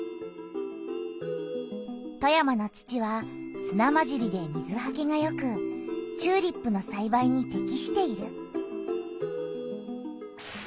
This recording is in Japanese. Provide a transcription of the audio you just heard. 富山の土はすなまじりで水はけがよくチューリップのさいばいにてきしている。